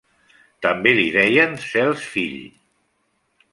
També li deien Cels fill.